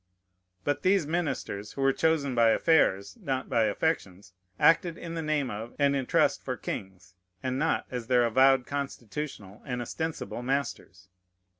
But these ministers, who were chosen by affairs, not by affections, acted in the name of and in trust for kings, and not as their avowed constitutional and ostensible masters.